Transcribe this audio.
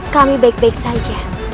kami baik baik saja